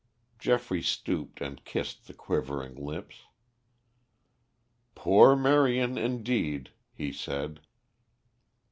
Geoffrey stooped and kissed the quivering lips. "Poor Marion, indeed!" he said.